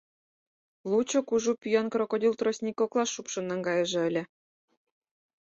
— Лучо кужу пӱян крокодил тростник коклаш шупшын наҥгайыже ыле!..